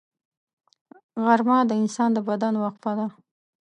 غرمه د انسان د بدن وقفه ده